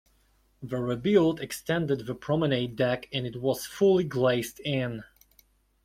The rebuild extended the promenade deck and it was fully glazed in.